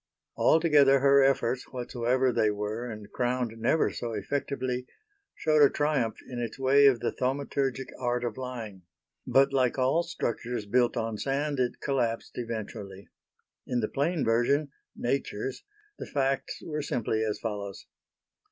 Altogether her efforts, whatsoever they were and crowned never so effectively, showed a triumph in its way of the thaumaturgic art of lying; but like all structures built on sand it collapsed eventually. In the plain version nature's the facts were simply as follows.